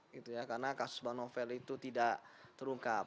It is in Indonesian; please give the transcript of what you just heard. karena kasus bonovel itu tidak terungkap